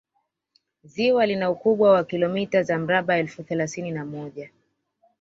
ziwa lina ukubwa wa kilomita za mraba elfu thelathini na moja